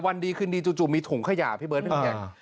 วันดีคืนดีจู่มีถุงขยาพี่เบิร์ตนึงอยาก